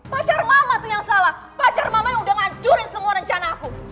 pacar mama tuh yang salah pacar mama yang udah ngancurin semua rencana aku